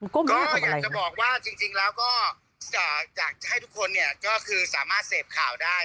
ก็อยากจะบอกว่าจริงแล้วก็อยากจะให้ทุกคนเนี่ยก็คือสามารถเสพข่าวได้